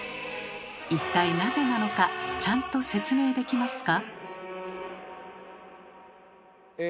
一体なぜなのかちゃんと説明できますか？